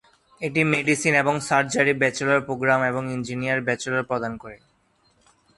এটি মেডিসিন এবং surgery bachelor programme এবং ইঞ্জিনিয়ারিং ব্যাচেলর প্রদান করে।